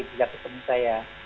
bila ketemu saya